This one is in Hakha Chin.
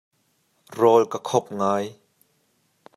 Rawl ka khop ngai.